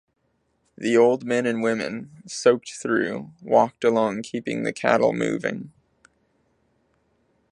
The old men and women, soaked through, walked along keeping the cattle moving.